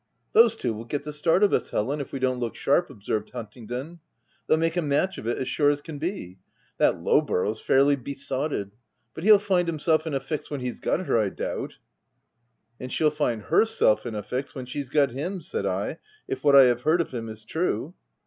" Those two will get the start of us, Helen, if we don't look sharp," observed Huntingdon. " They'll make a match of it, as sure as can be. That Lowborough's fairly besotted. But he'll find himself in a fix when he's got her, I doubt." " And she'll find herself in a fix when she's got him" said I, " if what I have heard of him is true."